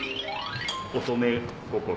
おとめ心。